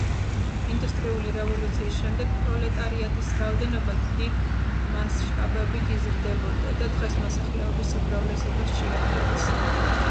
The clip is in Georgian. ინდუსტრიული რევოლუციის შემდეგ პროლეტარიატის რაოდენობა დიდი მასშტაბებით იზრდებოდა და დღეს მოსახლეობის უმრავლესობას შეადგენს.